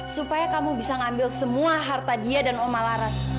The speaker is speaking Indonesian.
supaya kamu bisa ngambil semua harta dia dan oma laras